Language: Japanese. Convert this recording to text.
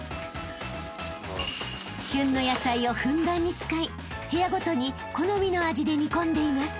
［旬の野菜をふんだんに使い部屋ごとに好みの味で煮込んでいます］